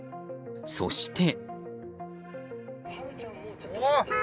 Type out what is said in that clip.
そして。